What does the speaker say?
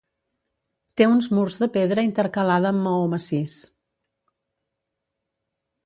Té uns murs de pedra intercalada amb maó massís.